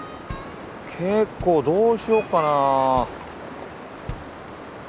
結構どうしようかな。